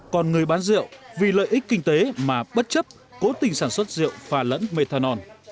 còn người bán rượu vì lợi ích kinh tế mà bất chấp cố tình sản xuất rượu phà lẫn methanol